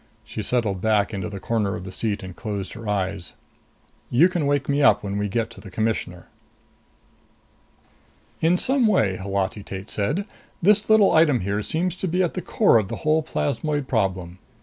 She settled back into the corner of the seat and closed her eyes. "You can wake me up when we get to the Commissioner." "In some way," Holati Tate said, "this little item here seems to be at the core of the whole plasmoid problem.